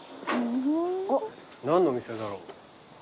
何のお店だろう。